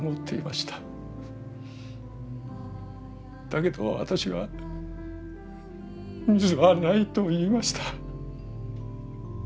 だけど私は「水はない」と言いました。